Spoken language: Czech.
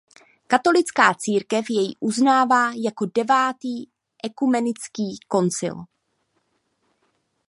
Katolická církev jej uznává jako devátý ekumenický koncil.